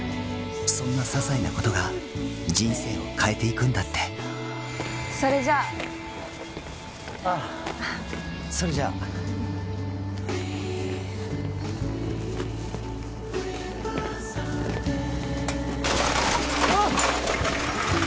そんなささいなことが人生を変えていくんだってそれじゃそれじゃあッ！